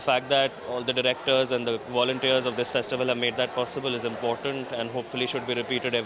faktanya bahwa penulis dan penerbit festival ini membuatnya bisa dilakukan adalah penting dan semoga bisa diulangi setiap tahun